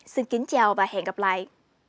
xin kính chào và hẹn gặp lại